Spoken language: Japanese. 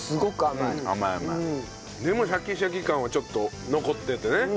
でもシャキシャキ感はちょっと残っててね。